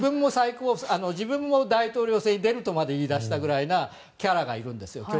自分も大統領選に出ると言い出したぐらいの強烈キャラがいるんですよ。